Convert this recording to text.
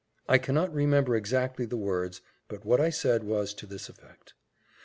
I cannot remember exactly the words, but what I said was to this effect.